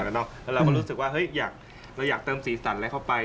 แล้วเราก็รู้สึกว่าเฮ้ยเราอยากเติมสีสันอะไรเข้าไป